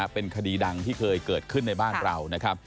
เป็นคดีดังที่เคยเกิดขึ้นในบ้านเรานะครับ